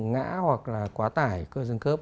ngã hoặc là quá tải cơ sương khớp